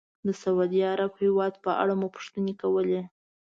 د سعودي عرب هېواد په اړه مو پوښتنې کولې.